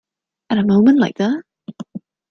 At a moment like that?